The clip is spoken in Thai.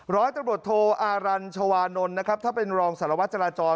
ร้อยตระบดโทอารัญชวานนนะครับถ้าเป็นรองสารวจราจร